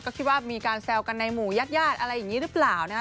ก็คิดว่ามีการแซวกันในหมู่ญาติญาติอะไรอย่างนี้หรือเปล่านะฮะ